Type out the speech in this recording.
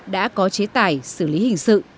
đã có chế tải xử lý hình sự